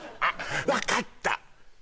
あっ分かった！